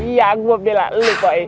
iya gua bela lu pak i